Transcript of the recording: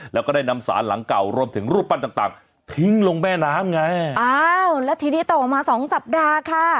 แล้วทีนี้ต่อมาสองสัปดาห์ค่ะ